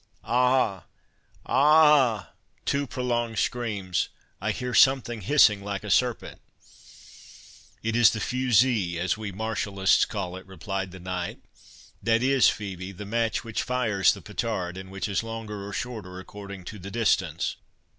—Ah! ah!"—(two prolonged screams)—"I hear something hissing like a serpent." "It is the fusee, as we martialists call it," replied the knight; "that is, Phœbe, the match which fires the petard, and which is longer or shorter, according to the distance."